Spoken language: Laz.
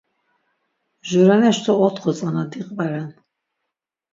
Jureneç do otxo tzana diqveren.